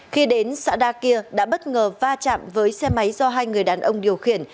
khi đến xã đa kia đã bất ngờ va chạm với xe máy do hai người đàn ông điều khiển